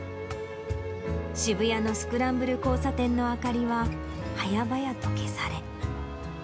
渋谷のスクランブル交差点の明かりは早々と消され。